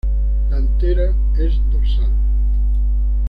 La antera es dorsal.